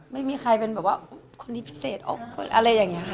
ไม่มีใครเป็นแบบว่าคนที่พิเศษออกอะไรอย่างนี้ค่ะ